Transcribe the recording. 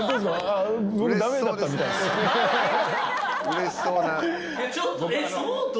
うれしそうな。